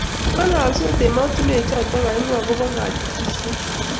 Ngalalsot ematinwek choto aengu agoba kachutishiet----